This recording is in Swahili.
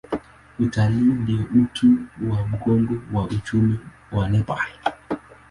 Utalii ndio uti wa mgongo wa uchumi wa Nepal.